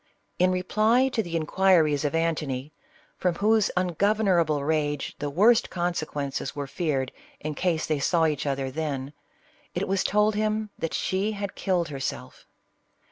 In reply to the in quiries of Antony, from whose ungovernable rage the worst consequences were feared in case they saw each other then, it was told him that she had killed herself.